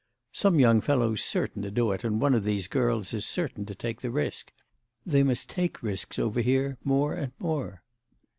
"Some young fellow's certain to do it, and one of these girls is certain to take the risk. They must take risks over here more and more."